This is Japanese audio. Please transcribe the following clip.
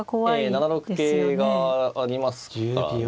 ええ７六桂がありますからね。